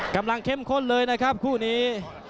เข้มข้นเลยนะครับคู่นี้